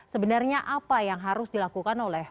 sebenarnya apa yang harus dilakukan oleh